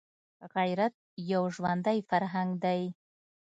غیرت یو ژوندی فرهنګ دی